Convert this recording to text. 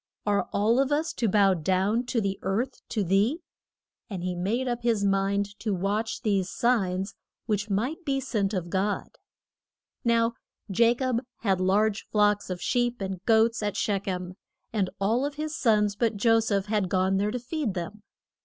Are all of us to bow down to the earth to thee? And he made up his mind to watch these signs, which might be sent of God. [Illustration: JO SEPH'S DREAM.] Now Ja cob had large flocks of sheep and goats at Shech em, and all of his sons but Jo seph had gone there to feed them.